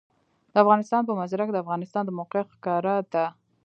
د افغانستان په منظره کې د افغانستان د موقعیت ښکاره ده.